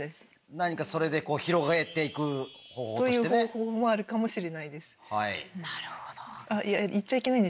何かそれで広げて行く。という方法もあるかもしれないです。